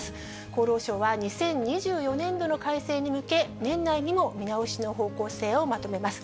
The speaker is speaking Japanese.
厚労省は２０２４年度の改正に向け、年内にも見直しの方向性をまとめます。